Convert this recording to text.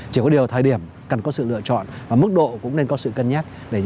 chỉ có điều thời điểm cần có sự lựa chọn và mức độ cũng nên có sự cân nhắc